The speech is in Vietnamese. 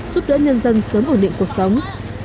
giúp đỡ nhân dân sớm ổn định cuộc sống